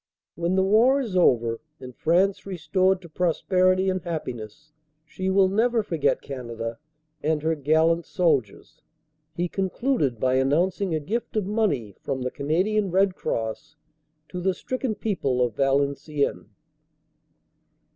When the war is over and France restored to prosperity and happiness, she will never forget Canada and her gallant soldiers. He concluded by 390 THE MONS ROAD 391 announcing a gift of money from the Canadian Red Cross to the stricken people of Valenciennes.